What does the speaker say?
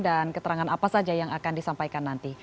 dan keterangan apa saja yang akan disampaikan nanti